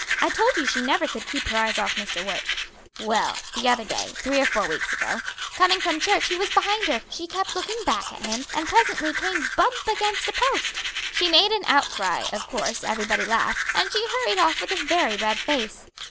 I told you she never could keep her eyes off Mr. Wert. Well, the other day three or four weeks ago coming from church he was behind her; she kept looking back at him, and presently came bump up against a post. She made an outcry, of course everybody laughed, and she hurried off with a very red face.